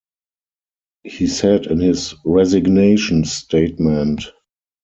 He said in his resignation statement.